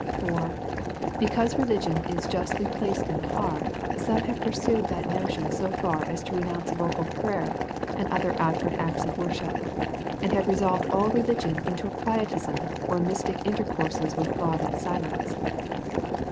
For be cause religion is justly placed in the heart, some have pursued that notion so far, as to renounce vocal pray er, and other outward acts of worship, and have re solved all religion into a quietism, or mystic inter courses with God in silence.